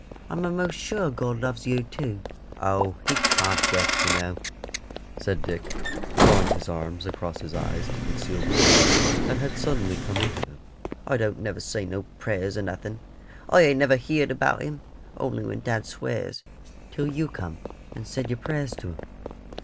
I'm a'most sure God loves yer too." "Oh, He can't yet, yer know," said Dick, drawing his arms across his eyes to conceal the tears that had suddenly come into them. "I don't never say no prayers nor nothing. I ain't never heerd about Him, only when dad swears, till you come and said your prayers to Him."